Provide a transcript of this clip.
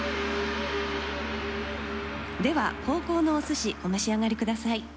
では後攻のお鮨お召し上がりください。